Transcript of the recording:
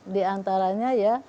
di antaranya ya